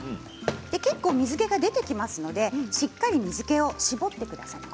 結構、水けが出てきますのでしっかり水けを絞ってください。